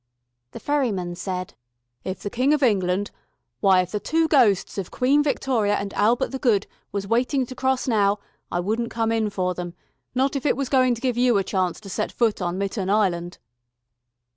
The ferryman said: "If the King of England why, if the two ghosts of Queen Victoria and Albert the Good was waiting to cross now, I wouldn't come in for them, not if it was going to give you a chance to set foot on Mitten Island."